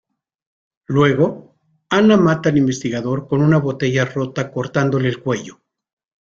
Luego, Anna mata al investigador con una botella rota cortándole el cuello.